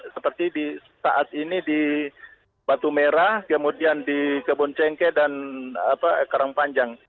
seperti saat ini di batu merah kemudian di kebun cengke dan karang panjang